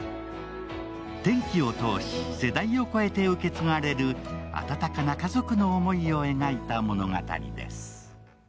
天気を通し、世代を超えて受け継がれる暖かな家族の思いを描いた物語です。